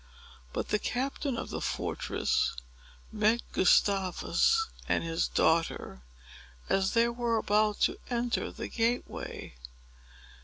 But the captain of the fortress met Gustavus and his daughter, as they were about to enter the gateway.